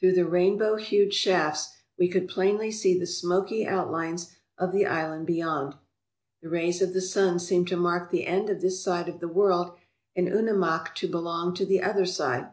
Through the rainbow hued shafts we could plainly see the smoky out lines of the island beyond. The rays of the sun seemed to mark the end of this side of the world and Unimak to belong to the other side.